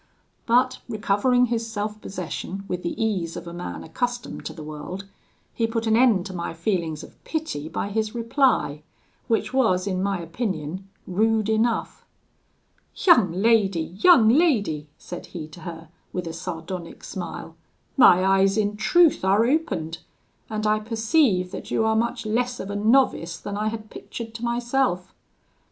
But recovering his self possession with the ease of a man accustomed to the world, he put an end to my feelings of pity by his reply, which was, in my opinion, rude enough. "'Young lady! young lady!' said he to her, with a sardonic smile, 'my eyes in truth are opened, and I perceive that you are much less of a novice than I had pictured to myself.'